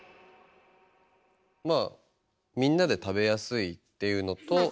まあみんなで食べやすいっていうのと。